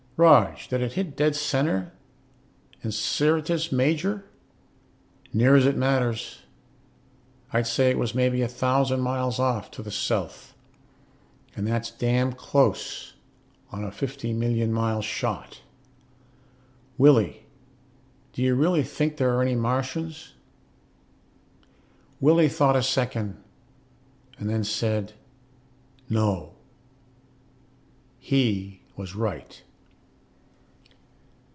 Rog, did it hit dead center in Syrtis Major?" "Near as matters. I'd say it was maybe a thousand miles off, to the south. And that's damn close on a fifty million mile shot. Willie, do you really think there are any Martians?" Willie thought a second and then said, "No." He was right.